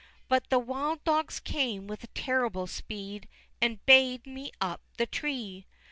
But the wild dogs came with terrible speed, And bay'd me up the tree!